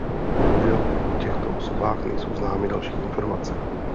Boužel o těchto osobách nejsou známy další informace.